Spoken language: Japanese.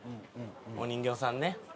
お人形さんね。